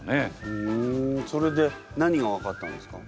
ふんそれで何が分かったんですか？